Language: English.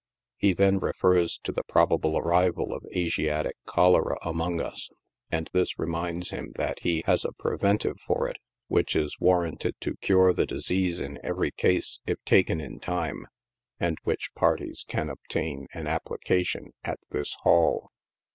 He then refers to the probable arrival of Asiatic cholera among us, and this reminds him that he has a preventive for it which is warranted to cure the disease in every case, if taken in time, and which parties can obtain on application at this hall.